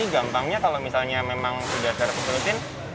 gampangnya kalau misalnya memang sudah servis rutin